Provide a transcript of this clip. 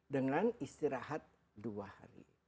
dengan istirahat dua hari